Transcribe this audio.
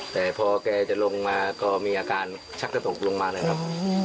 แต่พอแกจะลงมาก็มีอาการชักกระตุกลงมาเลยครับ